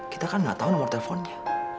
kita kan nggak tahu nomor teleponnya